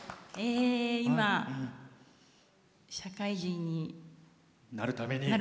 今、社会人になるために。